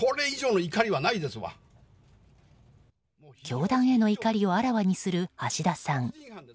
教団への怒りをあらわにする橋田さん。